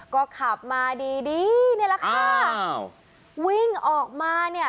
ก็ขับมาดีดีนี่แหละค่ะอ้าววิ่งออกมาเนี่ย